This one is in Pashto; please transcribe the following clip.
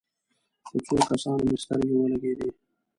په څو کسانو مو سترګې ولګېدې.